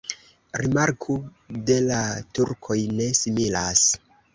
Rimarku ke la turoj ne similas.